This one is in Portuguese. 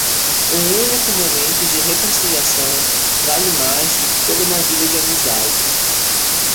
Um único momento de reconciliação vale mais do que toda uma vida de amizade.